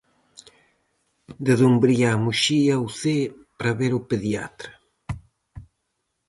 De Dumbría a Muxía ou Cee para ver o pediatra.